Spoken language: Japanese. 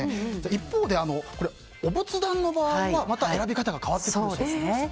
一方で、お仏壇の場合はまた選び方が変わってくるそうですね。